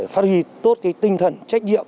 phát huy tốt tinh thần trách nhiệm